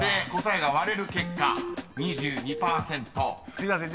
すいません。